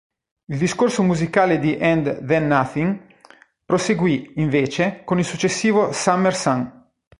Il discorso musicale di "And Then Nothing" proseguì, invece, con il successivo "Summer Sun".